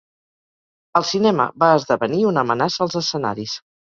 El cinema va esdevenir una amenaça als escenaris.